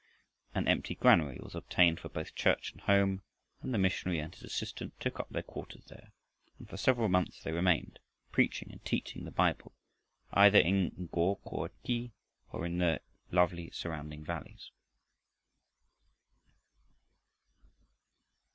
An empty granary was obtained for both church and home, and the missionary and his assistant took up their quarters there, and for several months they remained, preaching and teaching the Bible either in Go ho khi, or in the lovely surrounding valleys.